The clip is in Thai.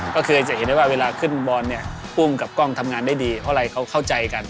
ก็คือจะเห็นได้ว่าเวลาขึ้นบอลเนี่ยกุ้งกับกล้องทำงานได้ดีเพราะอะไรเขาเข้าใจกัน